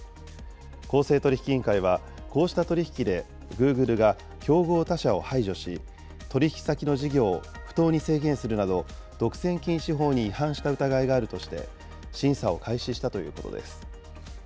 公正取引委員会は、こうした取り引きでグーグルが競合他社を排除し、取り引き先の事業を不当に制限するなど、独占禁止法に違反した疑いがあるとして、審査を開始したということです。